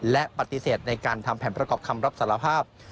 และปฏิเสธในการทำแผนประกอบคำรับสารภาพ